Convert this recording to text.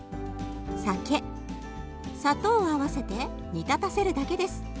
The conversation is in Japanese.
酒砂糖を合わせて煮立たせるだけです。